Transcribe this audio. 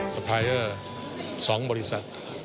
สะพายส์๒บริษัท